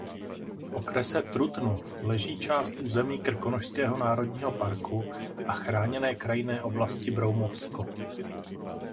V okrese Trutnov leží část území Krkonošského národního parku a Chráněné krajinné oblasti Broumovsko.